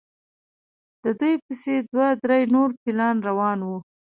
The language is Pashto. د دوی پسې دوه درې نور فیلان روان وو.